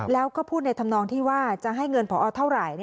แล้วก็พูดในธรรมนองที่ว่าจะให้เงินพอเท่าไหร่